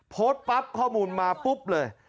โพสต์ปั๊บข้อมูลมาปุ๊บเลย